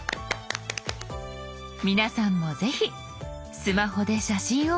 皆さんもぜひスマホで写真をお楽しみ下さい。